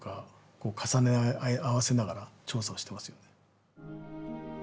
こう重ね合わせながら調査をしてますよね。